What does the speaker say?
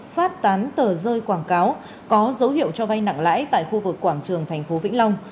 phát tán tờ rơi quảng cáo có dấu hiệu cho vay nặng lãi tại khu vực quảng trường thành phố vĩnh long